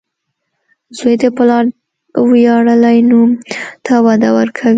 • زوی د پلار ویاړلی نوم ته وده ورکوي.